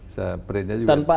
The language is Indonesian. saya perintah juga